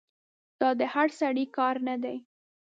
دا د هر سړي کار نه دی.